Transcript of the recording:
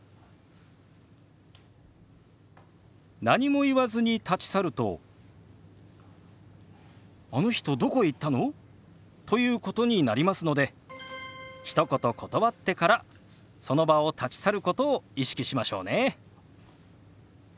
何も言わずに立ち去ると「あの人どこへ行ったの？」ということになりますのでひと言断ってからその場を立ち去ることを意識しましょうね。